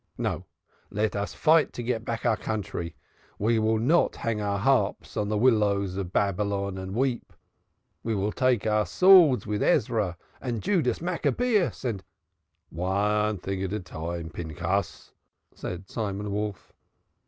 No, let us fight to get back our country ve vill not hang our harps on the villows of Babylon and veep ve vill take our swords vid Ezra and Judas Maccabaeus, and " "One thing at a time, Pinchas," said Simon Wolf.